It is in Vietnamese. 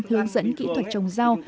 hướng dẫn kỹ thuật trồng rau